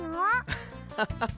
アハハハ！